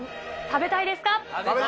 食べたいです。